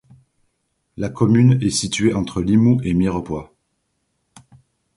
La commune est située entre Limoux et Mirepoix.